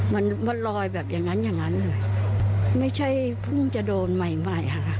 มันมันลอยแบบอย่างนั้นอย่างนั้นเลยไม่ใช่เพิ่งจะโดนใหม่ใหม่ค่ะ